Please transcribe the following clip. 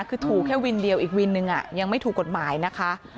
คือถูกแค่วินเดียวอีกวินนึงยังไม่ถูกกฎหมายนะคะ